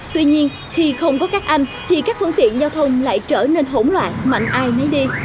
tuy nhiên khi không có các anh thì các phương tiện giao thông lại trở nên hỗn loạn mạnh ai nấy đi